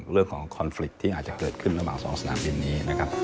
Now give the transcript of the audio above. เรื่องของคอนฟริตที่อาจจะเกิดขึ้นระหว่าง๒สนามบินนี้นะครับ